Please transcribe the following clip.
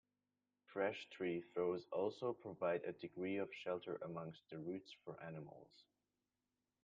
Fresh tree throws also provide a degree of shelter amongst the roots for animals.